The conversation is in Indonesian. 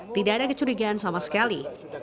tidak ada kecurigaan sama sekali